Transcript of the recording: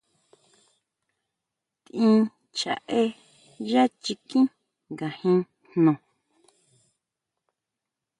Tʼín chjaʼé yá chikín ngajín jno.